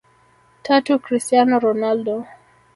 Tatu Christiano Ronaldo